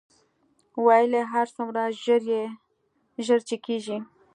ویل یې هر څومره ژر چې کېږي.